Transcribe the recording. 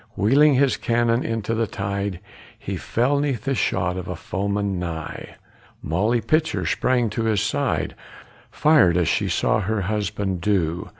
Wheeling his cannon into the tide, He fell 'neath the shot of a foeman nigh. Molly Pitcher sprang to his side, Fired as she saw her husband do.